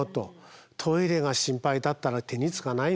トイレが心配だったら手につかないよ。